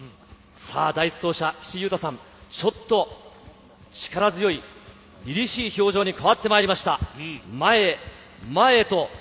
第１走者・岸優太さん、ちょっと力強い、厳しい表情に変わってまいりました。